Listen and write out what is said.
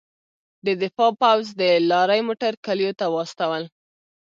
د دفاع پوځ د لارۍ موټر کلیو ته واستول.